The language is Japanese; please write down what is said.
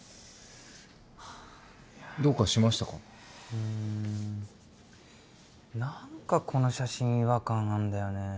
うーん何かこの写真違和感あんだよね。